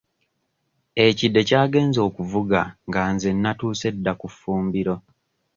Ekide kyagenze okuvuga nga nze nnatuuse dda ku ffumbiro.